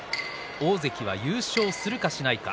大関は優勝するか、しないか。